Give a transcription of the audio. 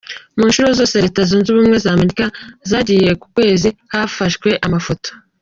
Mu nshuro zose Leta Zunwe Ubumwe za Amerika zagiye ku Kwezi hafashwe amafoto.